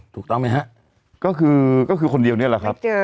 ถูกต้องไหมฮะก็คือก็คือคนเดียวนี่แหละครับ